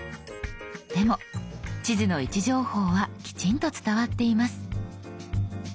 でも地図の位置情報はきちんと伝わっています。